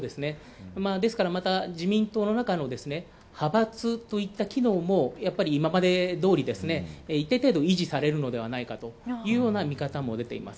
ですから、また自民党の中の派閥といった機能もやっぱり今までどおり、一定程度、維持されるのではないのかというような見方も出ています。